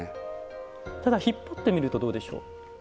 ただ、引っ張ってみるとどうでしょう？